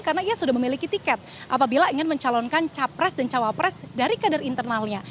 karena ia sudah memiliki tiket apabila ingin mencalonkan capres dan cawapres dari kadar internalnya